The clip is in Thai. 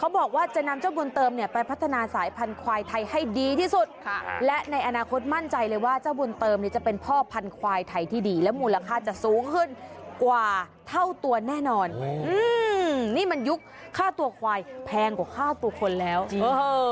บอกว่าจะนำเจ้าบุญเติมเนี่ยไปพัฒนาสายพันธุ์ควายไทยให้ดีที่สุดค่ะและในอนาคตมั่นใจเลยว่าเจ้าบุญเติมเนี่ยจะเป็นพ่อพันธวายไทยที่ดีและมูลค่าจะสูงขึ้นกว่าเท่าตัวแน่นอนอืมนี่มันยุคค่าตัวควายแพงกว่าค่าตัวคนแล้วจริงเออ